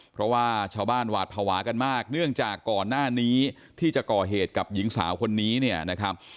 เพราะว่าชาวบ้านหวาดภาวะกันมากเนื่องจากก่อนหน้านี้ที่จะก่อเหตุกับหญิงสาวคนนี้เนี่ยนะครับ